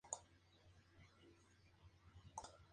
Sirvió como secretario en Paraguay, viviendo allí por un año.